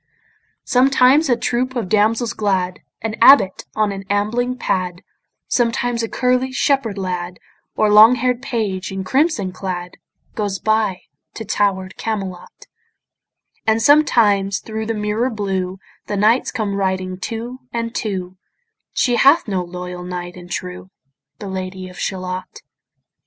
Sometimes a troop of damsels glad, An abbot on an ambling pad, Sometimes a curly shepherd lad, Or long hair'd page in crimson clad, Goes by to tower'd Camelot; And sometimes thro' the mirror blue The knights come riding two and two: She hath no loyal knight and true, The Lady of Shalott.